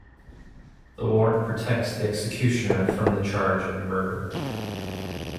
The warrant protects the executioner from the charge of murder.